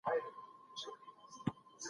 ډاکټر وویل چي د ناروغۍ لامل یې موندلی دی.